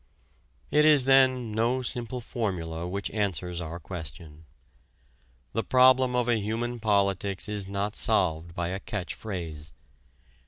It is then no simple formula which answers our question. The problem of a human politics is not solved by a catch phrase.